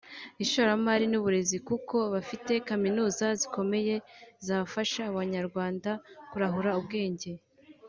ishoramari n’uburezi kuko bafite kaminuza zikomeye zafasha Abanyarwanda kurahura ubwenge